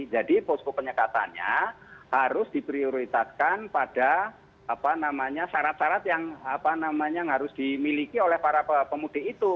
jadi posko penyekatannya harus diprioritakan pada apa namanya syarat syarat yang harus dimiliki oleh para pemudik itu